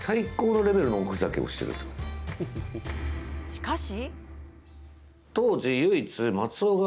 しかし。